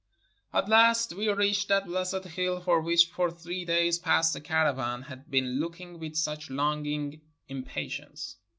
At last we reached that blessed hill for which for three days past the caravan had been looking with such long ing impatience.